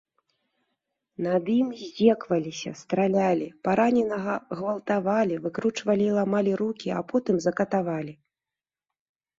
Над ім здзекаваліся, стралялі, параненага гвалтавалі, выкручвалі і ламалі рукі, а потым закатавалі.